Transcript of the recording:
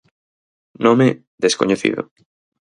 Nome: descoñecido.